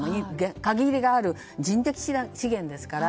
限りある人的資源ですから。